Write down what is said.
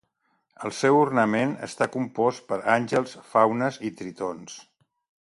El seu ornament està compost per àngels, faunes i tritons.